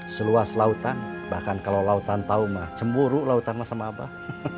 seluas lautan bahkan kalau lautan tahu mah cemburu lautan sama abah